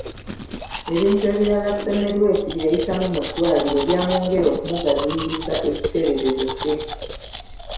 Ebintu ebirala Semmelwesi bye yayitamu mu ddwaliro byamwongera okumugaziyiriza ekiteeberezo kye.